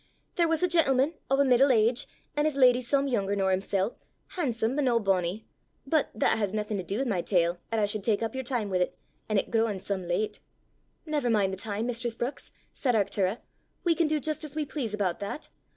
There was a gentleman o' a middle age, an' his leddy some yoonger nor himsel', han'some but no bonnie but that has naething to do wi' my tale 'at I should tak up yer time wi' 't, an' it growin' some late." "Never mind the time, mistress Brookes," said Arctura; we can do just as we please about that!